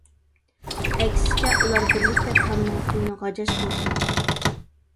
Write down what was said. ئەكسىچە، ئۇلار بىرلىكتە تامنىڭ تۈۋىنى غاجاشقا باشلاپتۇ.